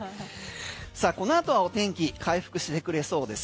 さあこのあとはお天気回復してくれそうです。